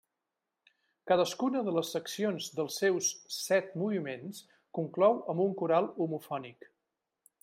Cadascuna de les seccions dels seus set moviments conclou amb un coral homofònic.